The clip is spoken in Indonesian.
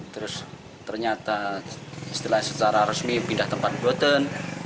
terus ternyata setelah secara resmi pindah tempat gloten